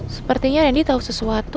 sepertinya ren di tau sesuatu